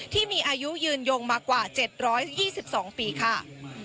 ที่มีอายุยืนยงมากว่า๗๒๒ปีค่ะ